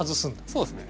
そうですね。